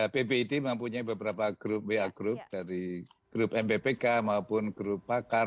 ppid mempunyai beberapa grup ya grup dari grup mppk maupun grup pakar